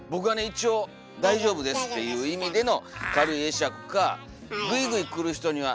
一応「大丈夫です」っていう意味での軽い会釈かグイグイ来る人にはこう。